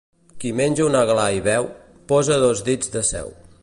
Qui menja un aglà i beu, posa dos dits de seu.